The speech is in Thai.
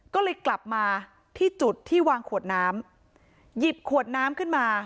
ก็เลยกลับมาที่จุดที่วางขวดน้ำหยิบขวดน้ำขึ้นมา